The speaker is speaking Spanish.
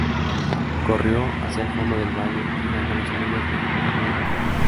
Corrió hacia el fondo del Valle llegando a las orillas del Anduin.